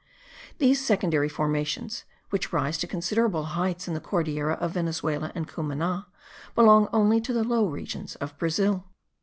These secondary formations, which rise to considerable heights in the Cordillera of Venezuela and Cumana, belong only to the low regions of Brazil.